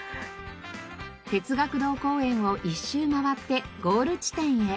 哲学堂公園を１周回ってゴール地点へ。